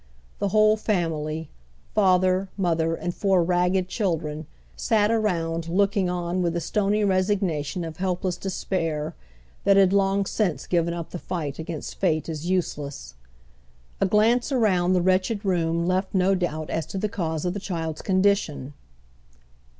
The wliole fam ily, father, mother, and four ragged children, sat around looking on with the stony resignation of helpless despair that had long since given up the fight against fate as use less. A glance around the wretched room left no doubt as to the eanse of the child's condition.